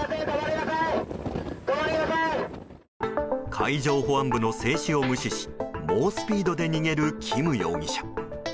海上保安部の制止を無視し猛スピードで逃げるキム容疑者。